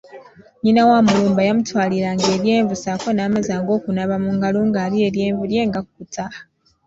Nnyina wa Mulumba yamutwalinga eryenvu saaako n’amazzi ag’okunaaba mu ngalo ng’alya eryenvu lye ng’akkuta.